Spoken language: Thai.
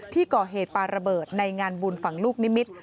ที่ก่อเหตุปลาระเบิดในงานบุญฝั่งลูกนิมิตร